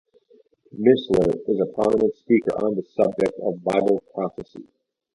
Missler is a prominent speaker on the subject of bible prophecy.